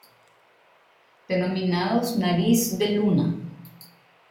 Denominados Nariz de luna.